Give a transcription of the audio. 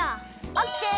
オッケー！